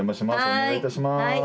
お願いいたします。